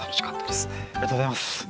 ありがとうございます。